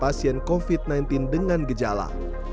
pasien covid sembilan belas dengan gejala